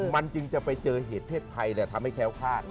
มันจึงจะไปเจอเหตุเพศภัยทำให้แค้วคาด